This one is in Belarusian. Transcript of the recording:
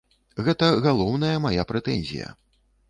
Гэта галоўная мая прэтэнзія.